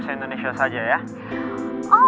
saya ingin menggunakan bahasa indonesia